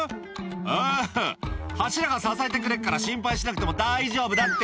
「ああ柱が支えてくれっから心配しなくても大丈夫だって」